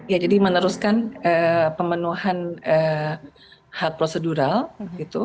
ya jadi meneruskan pemenuhan hak prosedural gitu